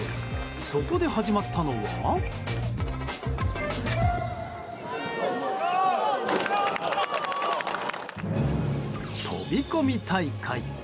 そこで始まったのは飛び込み大会。